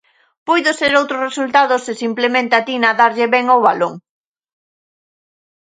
Puido ser outro resultado se simplemente atina a darlle ben ao balón.